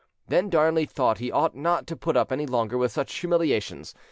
Then Darnley thought that he ought not to put up any longer with such humiliations.